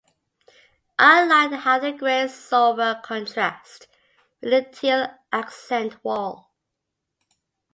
I like how the grey sofa contrasts with the teal accent wall.